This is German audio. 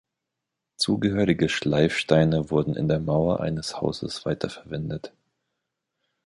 Zugehörige Schleifsteine wurden in der Mauer eines Hauses weiterverwendet.